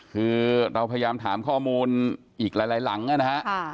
คือเราพยายามถามข้อมูลอีกหลายหลังนะฮะ